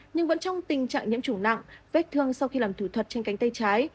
nhưng vẫn trong tình trạng nhiễm trùng nặng vết thương sau khi làm thử thuật trên cánh tay trái